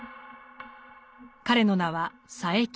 彼の名は佐柄木。